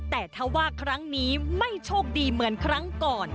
แต่ถ้าว่าครั้งนี้ไม่โชคดีเหมือนครั้งก่อน